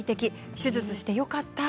手術してよかった。